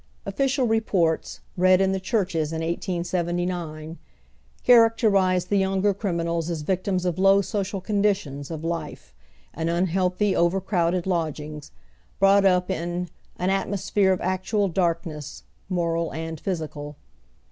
Official reports, read in the churches in 1879, characterized the younger criminals as victims of low social conditions of life and unhealthy, overcrowded lodgings, brought up in " an at mosphere ('f actual darkness, moral and physical."